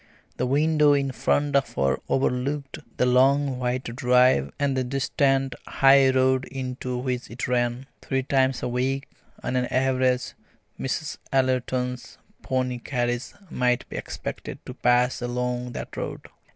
The window in front of her overlooked the long white drive and the distant high road into which it ran. Three times a week on an average Mrs. Ellerton's pony carriage might be expected to pass along that road.